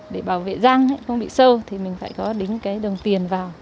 để bảo vệ răng không bị sâu thì mình phải có đính cái đồng tiền vào